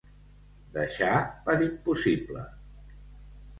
Deixar per impossible.